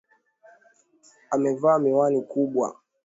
Amevaa miwani kubwa.